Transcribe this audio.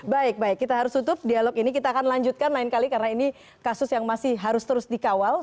baik baik kita harus tutup dialog ini kita akan lanjutkan lain kali karena ini kasus yang masih harus terus dikawal